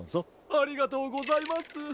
ありがとうございます。